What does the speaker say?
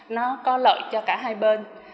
nó có lợi cho cả hai bên